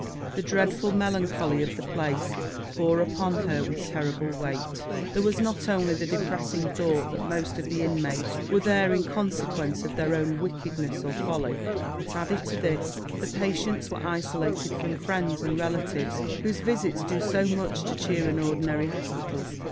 The dreadful melancholy of the place bore upon her with terrible weight. There was not only the depressing thought that most of the inmates were there in consequence of their own wickedness or folly, but added to this the patients were isolated from friends and relatives whose visits do so much to cheer an ordinary hospital.